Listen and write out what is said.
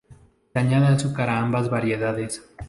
Se añade azúcar a ambas variedades.